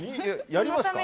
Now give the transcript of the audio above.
やりますか？